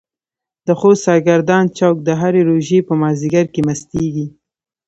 د خوست سرګردان چوک د هرې روژې په مازديګر کې مستيږي.